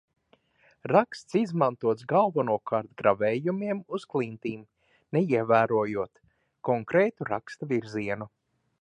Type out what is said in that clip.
Raksts izmantots galvenokārt gravējumiem uz klintīm, neievērojot konkrētu raksta virzienu.